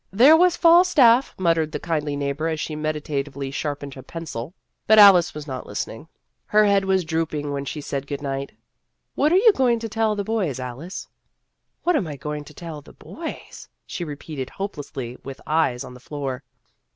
" There was Falstaff," muttered the kindly neighbor as she meditatively sharp ened a pencil, but Alice was not listening. Her head was drooping when she said good night. " What are you going to tell the boys, Alice?" " What am I going to tell the boys ?" she repeated hopelessly with eyes on the floor.